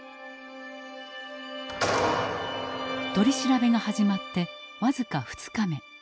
取り調べが始まって僅か２日目。